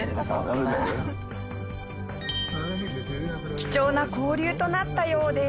貴重な交流となったようです。